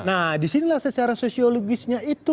nah disinilah secara sosiologisnya itu